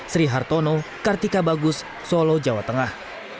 sri hartono kartika bagus solo jawa tengah